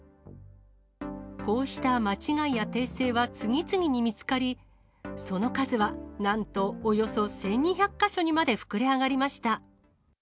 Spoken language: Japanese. こうした間違いや訂正は次々に見つかり、その数はなんとおよそ１２００か所にまで膨れ上がりました。